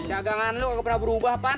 jagangan lo nggak pernah berubah pan